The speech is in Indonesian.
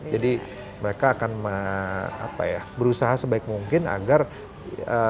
jadi mereka akan apa ya berusaha sebaik mungkin agar tanggung jawabnya tuh bisa sangat luas